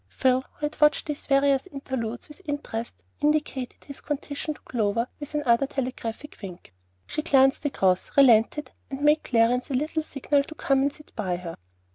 Phil, who had watched these various interludes with interest, indicated his condition to Clover with another telegraphic wink. She glanced across, relented, and made Clarence a little signal to come and sit by her.